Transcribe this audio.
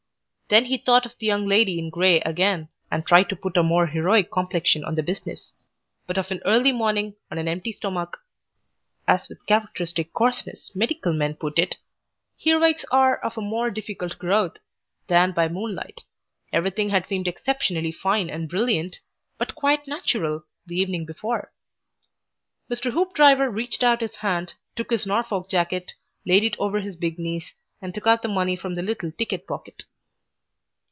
Then he thought of the Young Lady in Grey again, and tried to put a more heroic complexion on the business. But of an early morning, on an empty stomach (as with characteristic coarseness, medical men put it) heroics are of a more difficult growth than by moonlight. Everything had seemed exceptionally fine and brilliant, but quite natural, the evening before. Mr. Hoopdriver reached out his hand, took his Norfolk jacket, laid it over his knees, and took out the money from the little ticket pocket.